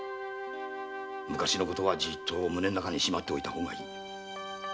昔のことはじっと胸の中にしまっておいた方がいい。